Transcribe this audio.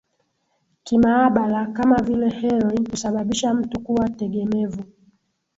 kimaabala kama vile heroin husababisha mtu kuwa tegemevu